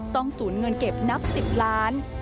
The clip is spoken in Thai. ต้องสูญเงินเก็บนับ๑๐ล้าน